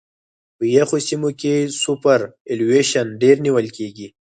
په یخو سیمو کې سوپرایلیویشن ډېر نیول کیږي